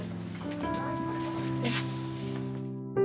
よし。